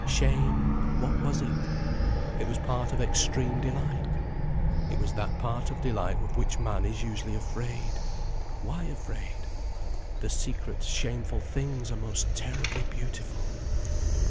Shame, what was it? It was part of extreme delight. It was that part of delight of which man is usually afraid. Why afraid? The secret, shameful things are most terribly beautiful.